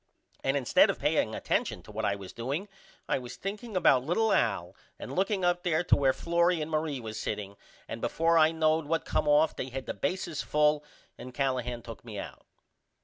And instead of paying attension to what I was doing I was thinking about little Al and looking up there to where Florrie and Marie was setting and before I knowed what come off they had the bases full and Callahan took me out.